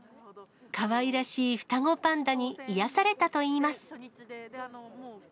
かわいらしい双子パンダに癒やされたといいます。